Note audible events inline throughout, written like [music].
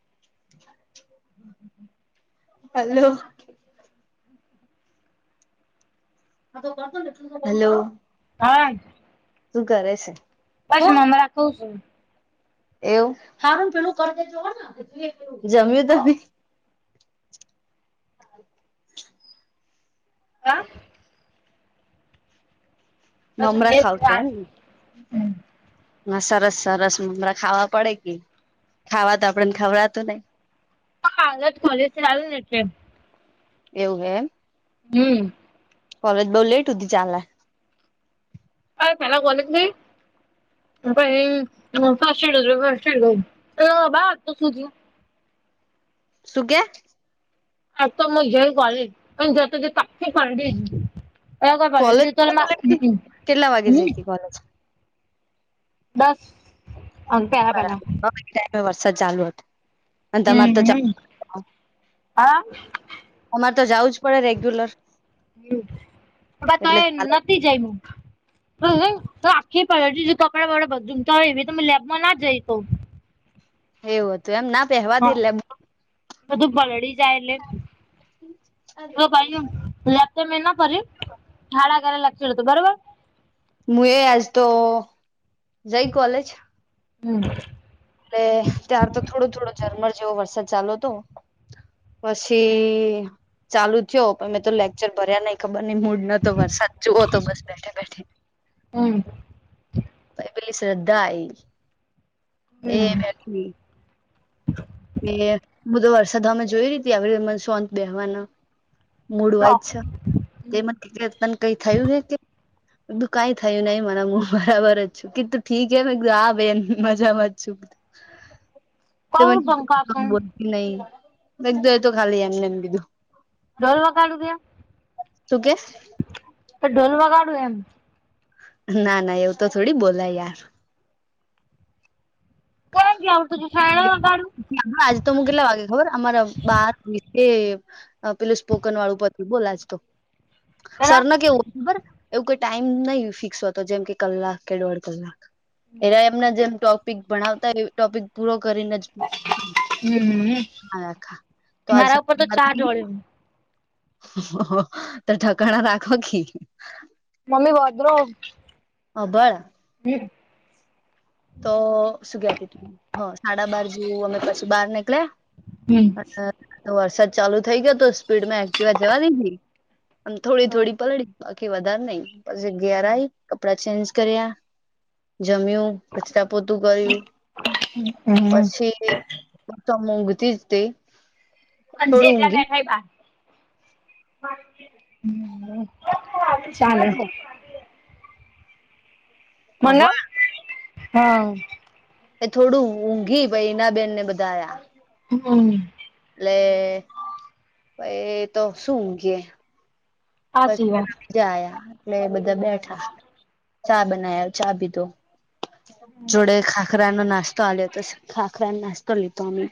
[inaudible] હાલો. હ હલો. હા! શું કરે છે? બછ હું અમ રા કું છું. એવું હારું પેલું જમ્યું તો હા મમરા ખાવ છો અ એમ સરસ સરસ મમરા ખાવા પડે કે ખાવા તો આપડે ને ખવડાતું નઈ હ હત કોલેજથી ચાલુ એટલે એવું હેમ હમ કોલેજ બઉુ લેટ હોતી ચાલ લ હ સલા કોોલ છે ફડ ફડ બા તો સુધી સુગ્યા આ તો મ જલ કોલે પણ જે તાકે કડી એ કોઈ કોલેજ ભ ત કેટલા વાગે જઈ હ હતી કોલેજ દસ અન પેલા પેલા બરાબર હ ટાઈ વરસાદ ચાલ્યો હતો અને તમારે તો હમ હા તમારે તો જવું જ પડે રેગ્યુલર એટલે ચ નથી જઈ હું હ તો આખી પ કપડાં વપડા બધું ઊમતા હોય એવી તમે લેબમાં ના જઈ તો એવું હતું એમ ના પહેવા દે હા લ બધું પલડી જાય એટલે તો ભાઈ મે ના પ કર લી હત બરોબર મુું એ આજ તો જઈ કોલેજ હમ એટલે ત્યાર તો થોડો થોડો ઝરમર જેવો વરસાદ ચાલુ હતો પછી ચાલુ થયો પણ મેમે તો લેક્ચર ભર્યા નહી ખબર નઈ મૂડ ન તો માર સાચચુઓ તો બસ બેઠે બેઠે હમ પેલી શ્રદ્ધા આઈ એ હમ મેઠી એ બધો વરસાદમે જોય રી ત આવી સોંત બેવાનો તો મૂડવાય જ છે તેમાં તને કઈ થયું છે કે બધું કઈ થયું નહીિ મરા મુ બરાબર જ છે શકી તો ઠીક હ આ બેન મજામાં જ છું બધું કહ જમપ છ નહી લખધું એ તો ખાલી એમને એમ કીધું દોલવા કાઢું દ્યા તું કે તો ઢોલ વગાડું એમ ના ના એવું તો થોડી બોલા યાર કે્યામ કે આવડતું તું શાળ વગાડું આજ તો હું કેટલા વાગે ખબર અમારા બાર પેલું સ્પોકન વાળું પ બોલાજ તો સર પેલા ન કેવુંબર એવું કોઈ ટાઈમ નહી ફિક્સ હોતો જેમ કે કલાક કે દોઢ કલાક એટલે એમના જેમ ટોક િક ભણાવતા એ ટોપિક પૂરો કરીને જ હમ ખા તો મારા આ ઉપર તો ચા ઢોળ્યો તો ઢકણા દાખો ક મમ્ી વધધરો હબાળ હ તો શું ગયા ત ત હ સાડા બાર જે અ પછી બહાર નીકળ્યા હમ વરસાદ ચાલુ થઇ ગયો તો સ્પીડમાં એક્ટિવા જવા દ મ થોડી થોડી પલડી બાકી વધારે નઈિ પછી ઘેરા કપડા ચેન્જ કર્યા જમ્યું કચતા પોતું કર્યું હમ પછી તો ઊંઘતી જ તે કંજે થોડું એટલા ઊંઘી બેઠાવવ્યા ચાલે અભણ મંગાવ, હા એ થોડું ઊંઘી, ભાઈના બેન ને બધાઆયા હમ એટલે ભાઈ તો શું ઊઘીએ બસ સાચી વાત પેલા બીજા આયા એટલે બધા બેઠા, ચા બના્યા, ચા પીધો જોડે ખાખરાનો નાસ્તો આ્લ્લયો પછ હતો ખાખરાનો નાસ્તો લીધો આમે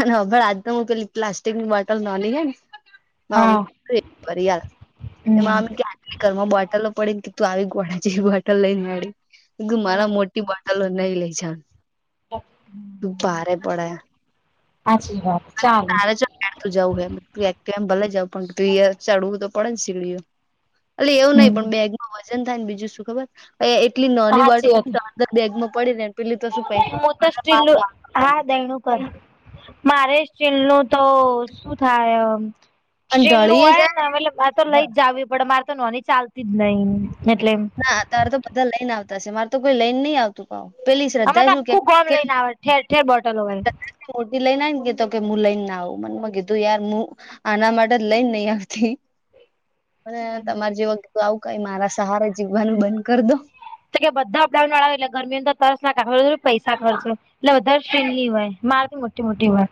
અન અગળ આજ તો હું પેલી પ્લાસ્ટિકની બોટલ નોની હેને હા [unintelligible] હમ ઘરમાં બોટલો પડીન થી આવી ગોળા જેવી બોટલ લઈ ને હેડી માર મોટી બટલો નઈ લઈ જા, તું ભારે પડે સાચી વાત ચાલે ત ચ જવું હે તું એકટીવા માં ભલે જઉ પણ [unintelligible] ચડવું તો પડે ને સીડીઓ અલી એવું નહિ હમ પણ બેગમાં વજન થાય ને બીજું શું ખબર એટલી નોની સાચી બટ અંદર બેગમાં પડી ને પેલી તો શું પઈ મુતો બધા માગ સ્ટીલ માગ કરે હા દેયણુ મારે અસ્ટીલનું તો શું થાય અને સ્ટ્રીલ નું ઢળીએ હોય ને મતલબ એલેરે તો જાય લઈ જ જાવી પડે મારે તો નોની ચાલતી જ નહી એટલે ના તારે તો બધા લઈન આવતાશે મારે તો કોઈ લઈન નહી આવતું કાવ પેલી અમે શ્રદ્ધા તો શું કે આખું ગોમ કે લઈને આવે ઠેર ઠેરબોટલો હોય મોટી લઈનેઈ આયને કીધતો કે ન લઈને ના આવું મનમ કીધું યારુંમુ આના માટે જ લઈન નીઆવતી અને તમારે જેવુ આવું કઈ મારા સહારા જીવવાનું બંધ કરી દો તો કે બધા અપડાઉન વાળા એટલે ઘર ની અંદર તસ [unintelligible] પૈસા ખર્ચે એટલે વધારે શ્રેન [unintelligible] હોય મારે તો મોટી મોટી હોય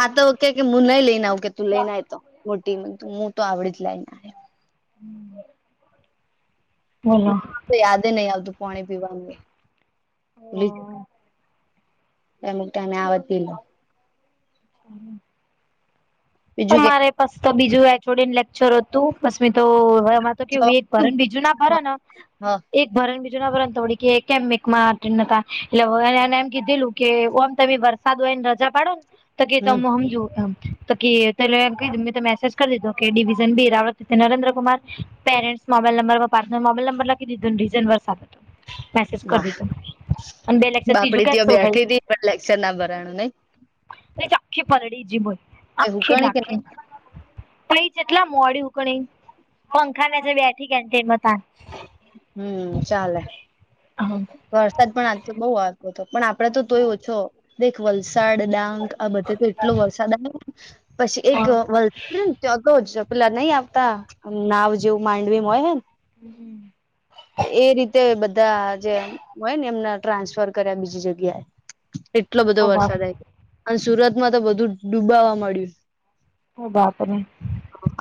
આ તો કે કે મુ નહી લઈને આવું કે તું લઈનેઆય તો મોટી હું તો મુ તો આવડી જ લઈને હમ બોલો તો યાદ ની આવતું પોણી પીવાનુ એમ તને આવતી લો [unintelligible] તો બીજું કે મારે તો બીજું રેકોર્ડિંગ લેક્ચર હતું, બસ મી તો હવે માર તો કેવું એક ભર બીજું ના ભરન હા એક ભરન બીજો ના ભરન તો ડી કે કેમ મેકમાં એટલેને એમ કીધેલું કે ઓમ તમે વરસાદ હો એને રજા પાડો ને તો કે હમ તમે સમજુ તો કે એટલે એમ કે તો મેસેજ કરી દીધો કે ડિવિઝન, બી, રાવડ ત Narendra Kumar, parents mobile number માં પાછળ મોબાઈલ નંબર લખી દીધોન રીટન વર્ક આપી દીધો, મેસેજ કર વાહ દીધો અને બે લેક્ચર ત્રીજું બાપડી ત્યા કેન્સલ થઈ બેઠી તી પણ લેક્ચર ના ભરાણુ ન ઈ આખી પલડી જી બોલ નઈ આખી હુકણી લાગ કે પણ એ ચેટલા મોડી ઉપડી પંખાના નેચે બેઠી કેન્ટીનમ તાર હમ્ ચાલે હ વરસાદ પણ આજ તો બઉ આવતો હતો પણ આપડે તોય ઓછો દેખ વલસાડ ડાંગ આ બધે તો એટલો વરસાદ આયો પછી હ એક વલ ને ત [unintelligible] જ ખુલા નહી આવતા નાવ જેવું માંડવીમ હોય હે એ રીતે બધા જે હોય ને એમના ટ્રાન્સફર કર્યા બીજી જગ્યાએ, એટલો બધો ઓ બાપ વરસાદ આઈ ગયો અને સુરત માં તો બધું ડૂબાવા મળડ્યું. ઓ બાપ રે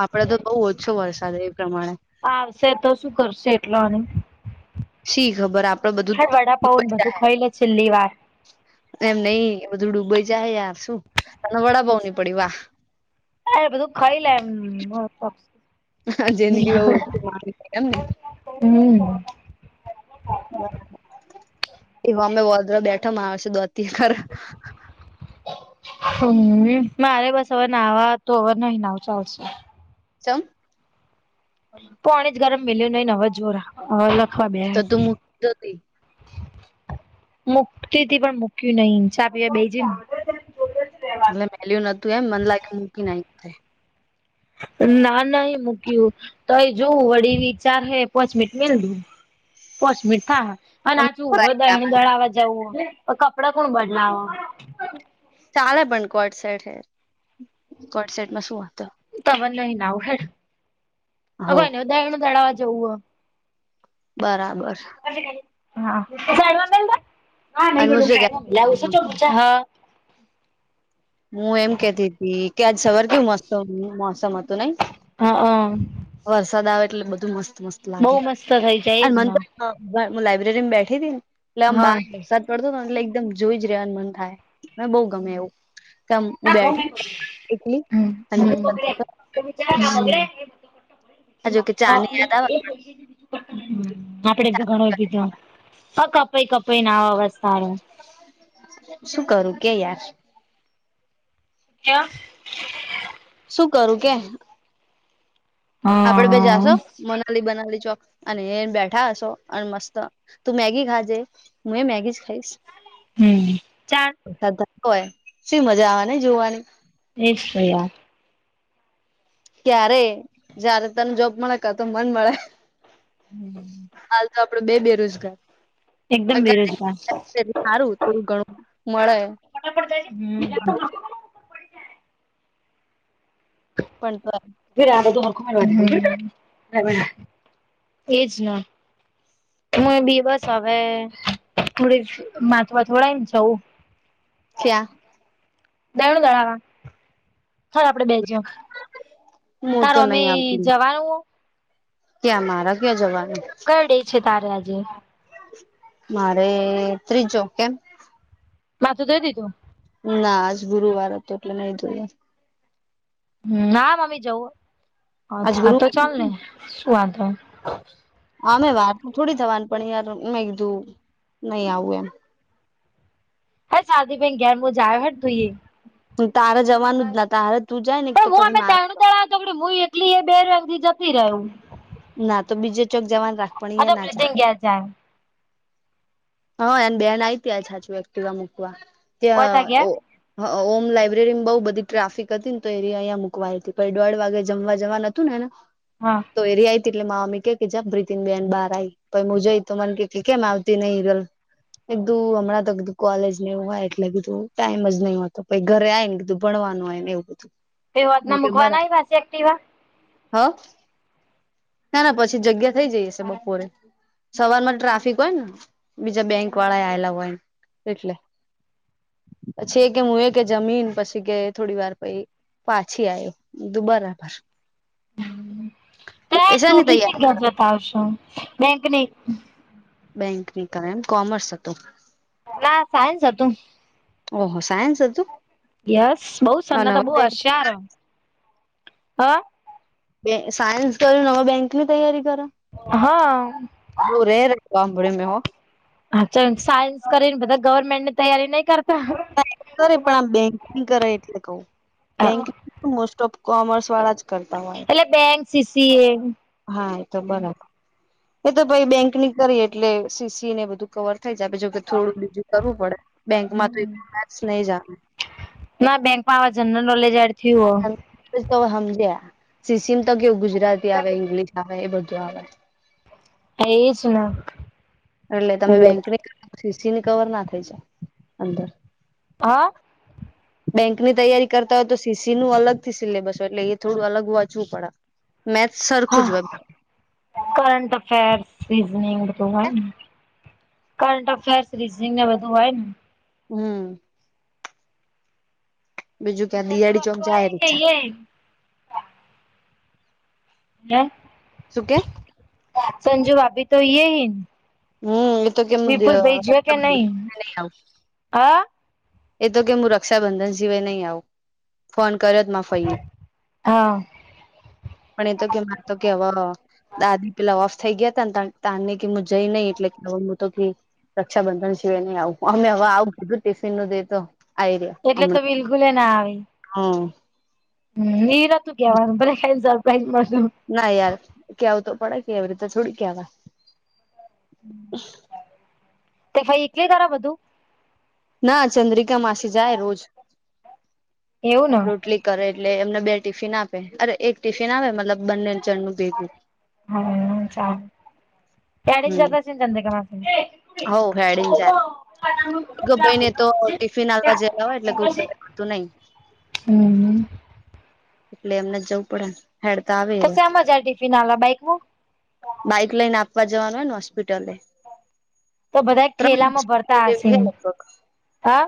આપડે તો બહુ ઓછો વરસાદ એ પ્રમાણે આવશે તો શું કરશે એટલોની શી ખબર આપ હેડ વડાપાવ ને બધું ખઈ લે છેલ્લી વાર એમ નહ એ બધું ડૂબઈ જાય યાર શું ત વડાપાવ ની પડી વાહ બધું ખાઈ લે એમ હા જિંદગી બહુ ઓછી માણી છે એમ ને હમ એ હોમે વોદરો બેઠોમાં આવ છે. [inaudible] હમ મારે બસ હવે નાવા તો હવે નહી નાવ ચાલશે ચમ?? પાણી જ ગરમ મિલ્યું નહી હવે જોરા હવે લખવા બે તો તું મૂકી દોતી મુક્તિથી પણ મુક્યું નહી ચા પીવા બે જ એટલે મેલું નતું એમ મન લાગે મૂકી ના ના-ના એ મૂક્યું તો એ જોવું વળી વિચાર હે પોચ મિનટ મેલ પોચ મિનિટ થા અને આચુ હોય દ દળાવવા જવું હોય કપડા કોણ બદલાવ ચાલે પણ કોટસેટ હે તો કોટસેટમાં શું વાંધો? [unintelligible] દરણું હો દળાવવા જવું હો બરાબર અને હું શું [unintelligible] હું એમ કેતી હતી કે આજ સવાર કેવું મસ્ત મોસમ હતું નઈ હા-હ વરસાદ આવે એટલે બધું મસ્ત મસ્ત લાગે બહુ મસ્ત થઇ જાય અને એજ ને. મર હા હ લાયબ્રેરી માં બેઠી હતી ને એટલે આમ હા બહાર વરસાદ પડતો હતોને એટલે એકદમ જોઈ જ રવાનું મન થાય. હ બઉુ ગમે એવું. [unintelligible] હ જોકે ચાની યાદ આવે. આપડે ઘણોય પીધો હ કપાઈ કપાઈ ના આવે અવાસ શું કરું કે યાર? ક્યા? શું કરું કે? આપડે બે હા જાશો મનાલી બનાલી ચોક અને એ બેઠા હશો અને મસ્ત તું મેગી ખાજે હું એ મેગી જ ખાઈશ. હમ ચાર [inaudible] હોય શું મજાવા જોવાની. એ જ તો યાર ક્યારે જિઆયરે તને જોબ મળે ક તો મન મળે હાલ તો આપડો બે બેરોજગાર એકદમ બેરોજગાર. સારું થોડું ઘણું મળે [unintelligible] પણ તો આ એજ ના હું બી બસ હવે થડી માથવા થોડાય ને જઉું. ક્યા? દયણું ધરાવા હાલ આપણે બે જાય હું તાર તો અમે જવાનું હો?? ત્યાં મારા ક્યા જવાનું? કયો ડે છે, તારે આજે? મારે ત્રીજો કેમ માથું તો માથું ધોઈ દીધું ના આજ ગુરુવાર તો એટલે નહી ધોયું ના મમ્મી જવું આજ અ્છા ગુરુ તો ચાલ ને શું વાત હોય અમે વાર તો થોડી થવાની પણ યાર મે મેં કીધું નહી આવું એમ શાદી બાઈન ગેર બ જા હ તું એ તારે જવાનું જ ના તારે તું જાય ને તો પણ હું પછી અમે મારે દાણું હું એટલી એ બેથી જતી રહ્યું ના તો બીજે ચોક જવાનું રાખ પણ અયા ના ચા ક્યા જાય હા એને બેન આવી ત્યા સાચું એક્ટિવા મૂકવા પોતા ત્યાં ઘેર હ ઓમ લાયબ્રેરી બઉ બધી ટ્રાફિક હતી ને તો એરિયા અહીંયા મૂકવાઈ હતી દોઢ વાગે જમવા જવા નથી તું ને હા તો એરી આવી હતી એટલે મામી કે કે જ પ્રીતિન બેહેન બાર આવી પછ હું જઈ તો મને કેમ આવતી નહીલ [inaudible] એકધું હમં તો કીધું કોલેજ ને એવું હોય એટલે કીધું ટાઈમ જ નહી હોતો પ ઘરે આય ને કીધું ભણવાનું હોય ને એવું [inaudible] તો વાતના મૂકવા પાછી એકટીવા હા ના ના પછી જગ્યા થઈ જઈ હશે બપોરે સવાર માં ટ્રાફિક હોય ને બીજા બેંક વાળા આવેલા હોય એટલે પછી એક હું જમીન પછી કે થોડી વાર પ પાછી આવ્યો બરાબર એ [inaudible] શેની તૈયારી કરો બેંકની બેંકની કર એમ કોમર્સ હતું ના સાયન્સ હતું ઓહો સાયન્સ હતું યસ બહ અને સન્ના તો હવે બહુ બેંક હશેયાર હ, બે સાયન્સ કર્યું નવા બેંક ની તૈયારી કરો હમ્મ સાંભળે મેં હો હાા સાયન્સ કરીને બધા ગવર્મેન્ટની તૈયારી નહી કરત કરે પણ આમ બેંકિંગ કરે એટલે કવ બેંક મોસ્ટ ઓફ કોમર્સ વાળા જ કરતા હોય, એલી ફેન્સી છીએ હા એ તો બરા એ તો ભાઈ બેંક ની કરી એટલે સીસી ને બધું કવર થઈ જ આપ જોકે થોડું બીજું કરવું પડે બેંકમાં તો મેથ્સ નહી જ આવે. ના બેંકમાં આ જનરલ નોલેજાર થથી હો તો સમજ સીસીમ તો કેવું ગુજરાતી આવે ઈંગ્લિશ આવે એ બધું આવે [inaudible] એટલે તમે બેંકની સીસીની કવર ના થઈ જાય અંદર હા [unintelligible] બેંકની તૈયારી કરતા હોય તો સીસી નું અલગ થી સિલેબસ હોય એટલે એ થોડું અલગથી વાંચવું પડે મેથ સરખુંજ હા કરંટ અફેર્સ રીઝનિંગ બધું હોયને કરંટ અફેર્સ રીઝનિંગને બધું હોય જ ને? હમ્મ બીજું ક્યાં સંજુ દિયાળી ચોક બાપી જાય હોય કે ત્થ યે હે સુકે? સંજુ ભાભી તો યે હેન. હમ્મ. એ તો કેમ નહી બે કે નહી [unintelligible] હા એ તો કે હું રક્ષાબંધન સિવાય નહી આવું. ફોન કર્યોત મા ફઈએ. હા પણ એ તો કે મારે તો કેવો, દાદી પેલા ઓફ થઈ ગયા તાને તને કે જઈ નહી એટલે કે મુ તો ગેય રક્ષાબંધન સિવાય નહી આવું, અમને હવે આવું કીધું ટિફિનનું દે તો. આઈર્યા એટલે તો અમણા બિલકુલ ના આવી હમ્મ. હમ્મ, મેરા તો જ્ઞાન તો હે સરપ્રાઈઝ મોસન [unintelligible] ના યાર! કેવું તો પડે કે એવી રીતે થોડી કેવાય? તે ભાઈ કે ખરાબ હતું. ના ચંદ્રિકામાસી જાય રોજ, એવું ને રોટલી કરે એટલે એમને બે ટિફિન આપે, અરે! એક ટિફિન આવે મતલબ બંને ચણનુ હહ ચાલ. તેડીને જતા છેન ચંદ્રિકામાસીને. હૌ. હેડીન જા. [inaudible] [unintelligible] ભાઈને તો ટિફિન આવવા જવા હોય એટલે [unintelligible] તું નહી હમ્મ હમ્મ એટલે એમને જવું પડેને, હેડકા તો આવીરે શામાં જાય ટિફિન આલા બાઈકમાં બાઈક લઈને આપવા જવાનું હોયને, હોસ્પિટલે તો બધા એક ત્રણ ઠેલામાં હોસ્પિટલ ભરતા હશે. હા [inaudible]